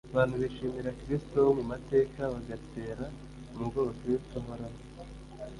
. Abantu bishimira Kristo wo mu mateka, bagatera umugongo Kristo Uhoraho